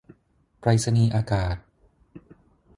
ไปรษณีย์อากาศ